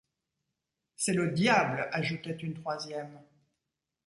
C’est le diable, ajoutait une troisième.